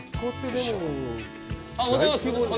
おはようございます。